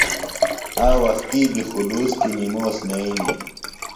آ وختیۡ بیۡ خُلوص کیۡ نِموس نئینیۡ۔